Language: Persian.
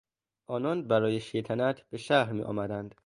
آنان برای شیطنت به شهر میآمدند.